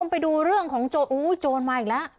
คุณผู้ชมไปดูเรื่องของโจอุ๊ยโจรมาอีกแล้ว